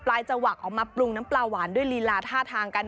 จวักออกมาปรุงน้ำปลาหวานด้วยลีลาท่าทางกัน